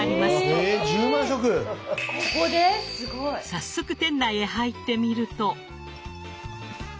早速店内へ入ってみると。